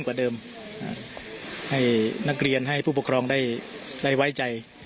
กว่าเดิมให้นักเรียนให้ผู้ปกครองได้ไว้ใจ